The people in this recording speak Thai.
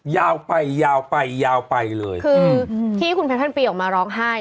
ยาวไปยาวไปยาวไปเลยคือที่คุณแพทเทิร์นปีออกมาร้องไห้